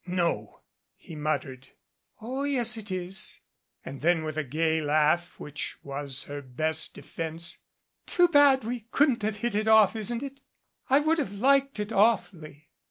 "No," he muttered. "Oh, yes, it is." And then with a gay laugh which was her best defence "Too bad we couldn't have hit it off, isn't it? I would have liked it awfully.